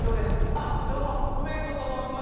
あっどうもウエコと申します。